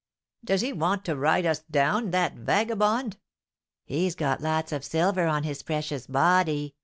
"Does he want to ride us down, that vagabond?" "He's got lots o' silver on his precious body!"